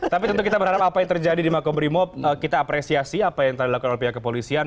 tapi tentu kita berharap apa yang terjadi di makobrimo kita apresiasi apa yang telah dilakukan oleh pihak kepolisian